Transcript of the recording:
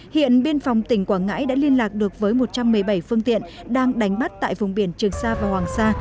hiện biên phòng tỉnh quảng ngãi đã liên lạc được với một trăm một mươi bảy phương tiện đang đánh bắt tại vùng biển trường sa và hoàng sa